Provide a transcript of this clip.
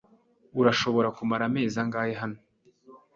Urashobora kumara amezi angahe hano?